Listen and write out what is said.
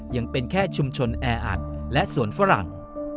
ยังเป็นแค่ชุมชนแออัดและสวนฝรั่ง